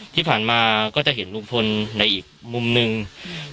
ที่ผ่านมาก็จะเห็นลุงพลในอีกมุมหนึ่งอืม